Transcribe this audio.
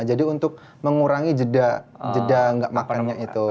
jadi untuk mengurangi jeda nggak makannya itu